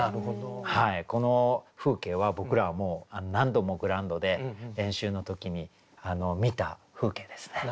この風景は僕らはもう何度もグラウンドで練習の時に見た風景ですね。